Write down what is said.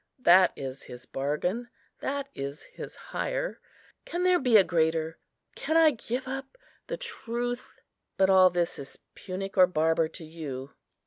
That is his bargain, that is his hire; can there be a greater? Can I give up the Truth? But all this is Punic or Barbar to you."